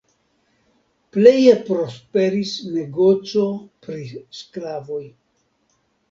Pleje prosperis negoco pri sklavoj.